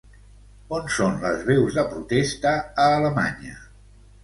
On són les veus de protesta a Alemanya?